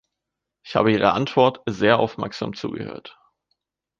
Ich habe Ihrer Antwort sehr aufmerksam zugehört.